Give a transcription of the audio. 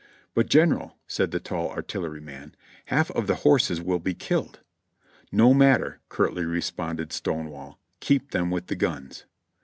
"But, General,'' said the tall artilleryman, "half of the horses will be killed." "No matter," curtly responded Stone wall, "keep them with the guns."